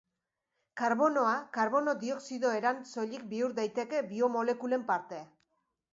Karbonoa karbono dioxido eran soilik bihur daiteke biomolekulen parte.